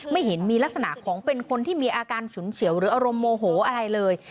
ไม่เห็นมีลักษณะของเป็นคนที่มีอาการฉุนเฉียวหรืออารมณ์โมโหอะไรเลย